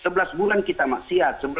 sebelas bulan kita maksiat